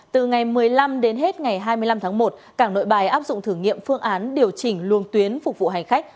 từ ngày một mươi năm đến hết ngày hai mươi năm tháng một cảng nội bài áp dụng thử nghiệm phương án điều chỉnh luồng tuyến phục vụ hành khách